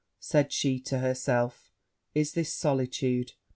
said she to herself, 'is this solitude!